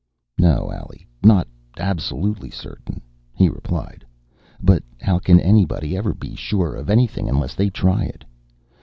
"No, Allie, not absolutely certain," he replied. "But how can anybody ever be sure of anything unless they try it?